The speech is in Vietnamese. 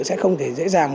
sẽ không thể dễ dàng